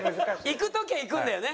いく時はいくんだよね。